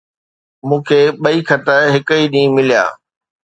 مون کي ٻئي خط هڪ ئي ڏينهن مليا